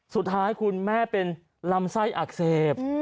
สุดท้ายคุณแม่เป็นลำไส้อักเสบ